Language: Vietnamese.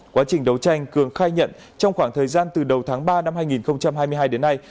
quá trình đấu tranh cường khai nhận trong khoảng thời gian từ đầu tháng ba năm hai nghìn hai mươi hai đến nay